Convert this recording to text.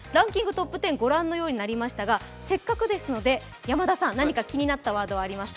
トップ１０、ご覧のようになりましたが、せっかくですので山田さん、何か気になったワードはありますか。